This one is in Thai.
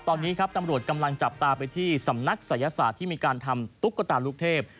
ตอนนี้ครับตำรวจกำลังจับตาไปที่สำนักศัยศาสตร์ที่มีการทำตุ๊กตาลูกเทพ